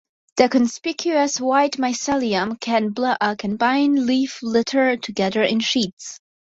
The conspicuous white mycelium can bind leaf litter together in sheets.